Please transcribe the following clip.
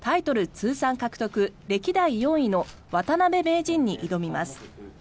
通算獲得歴代４位の渡辺名人に挑みます。